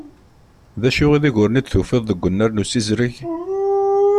D acu i d uguren i d-tufiḍ deg unnar n usizreg?